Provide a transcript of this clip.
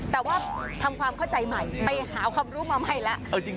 แต่ว่าทำความเข้าใจใหม่ไปหาความรู้มาใหม่แล้ว